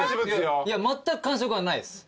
いやまったく感触はないです。